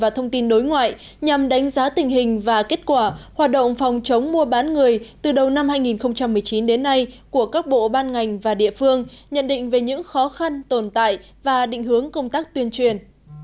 thông tin và kết quả hoạt động phòng chống mua bán người từ đầu năm hai nghìn một mươi chín đến nay của các bộ ban ngành và địa phương nhận định về những khó khăn tồn tại và định hướng công tác tuyên truyền